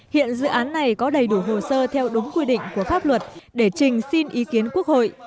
hiện dự án này có đầy đủ hồ sơ theo đúng quy định của pháp luật để trình xin ý kiến quốc hội